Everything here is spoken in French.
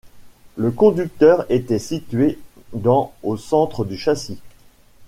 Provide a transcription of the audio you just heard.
Le conducteur était situé dans au centre du châssis.